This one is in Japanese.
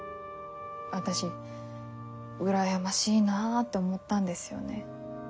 私羨ましいなあって思ったんですよね。